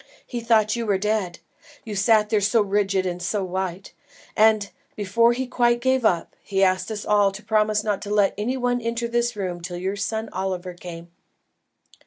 He thought you were dead, you sat there so rigid and so white, and, before he quite gave up, he asked us all to promise not to let any one enter this room till your son Oliver came."